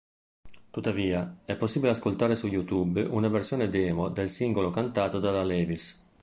Tuttavia, è possibile ascoltare su YouTube una versione demo del singolo cantato dalla Lewis.